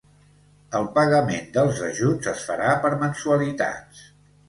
El pagament dels ajuts es farà per mensualitats.